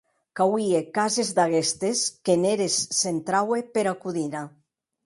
Qu’auie cases d’aguestes qu’en eres s’entraue pera codina.